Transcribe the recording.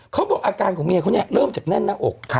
เขาบอกอาการของเมียค่อนข้อยเริ่มจากแน่นน้ำอก